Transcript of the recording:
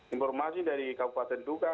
informasi dari kabupaten duga